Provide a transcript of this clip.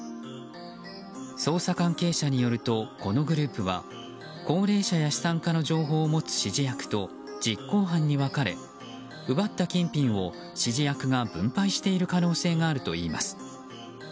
捜査関係者によるとこのグループは高齢者や資産家の情報を持つ指示役と実行犯に分かれ奪った金品を指示役が分配している可能性があるといいます。